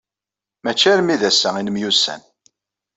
Maci armi d ass-a ay nemyussan.